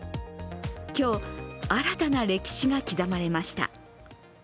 今日、新たな歴史が刻まれました。